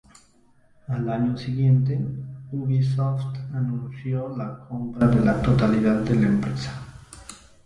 Al año siguiente, Ubisoft anunció la compra de la totalidad de la empresa.